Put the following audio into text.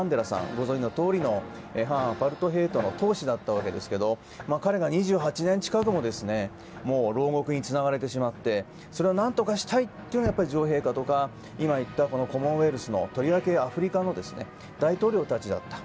ご存じのとおりの反アパルトヘイトの闘士だったわけですが彼が２８年近くもろう獄につながれてしまってそれをなんとかしたいというのが女王陛下とかコモンウェルスの、とりわけアフリカの大統領たちだった。